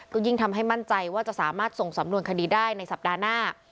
ก็ยิ่งทำให้มั่นใจว่าจะสามารถส่งสำนวนคดีได้ในสัปดาห์หน้า